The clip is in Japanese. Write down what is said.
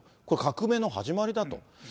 これ、革命の始まりだと。